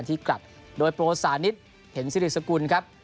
ที่กลับโดยโปรสานิทเห็นสิริสกุลครับ